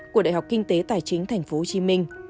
của đại học kinh tế tài chính tp hcm